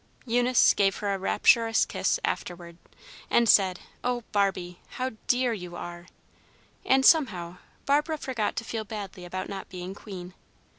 Eunice gave her a rapturous kiss afterward, and said, "Oh, Barbie, how dear you are!" and, somehow, Barbara forgot to feel badly about not being queen.